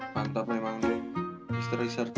mantap memang mister research